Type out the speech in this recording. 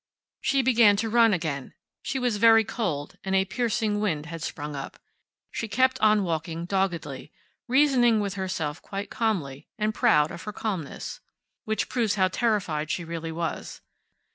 She began to run again. She was very cold, and a piercing wind had sprung up. She kept on walking, doggedly, reasoning with herself quite calmly, and proud of her calmness. Which proves how terrified she really was.